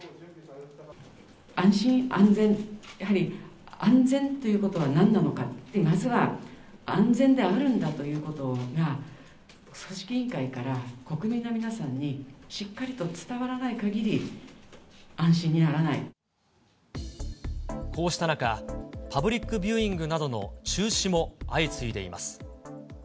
安心・安全、やはり安全ということはなんなのかって、まずは安全であるんだということが、組織委員会から国民の皆さんにしっかりと伝わらないかぎり、こうした中、パブリックビューイングなどの中止も相次いでいます。